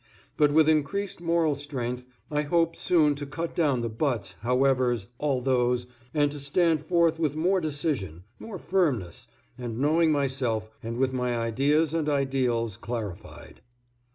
But with increased moral strength I hope soon to cut down the buts, howevers, althoughs, and to stand forth with more decision, more firmness, and knowing myself, and with my ideas and ideals clarified.